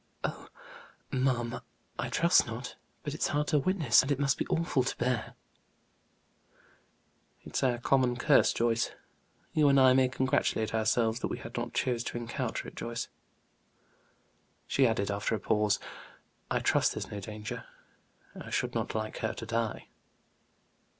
"Oh, ma'am, I trust not! But it's hard to witness, and it must be awful to bear." "It is our common curse, Joyce. You and I may congratulate ourselves that we have not chosen to encounter it. Joyce," she added, after a pause, "I trust there's no danger; I should not like her to die."